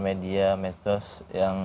media medsos yang